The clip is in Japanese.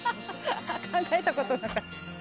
考えた事なかった」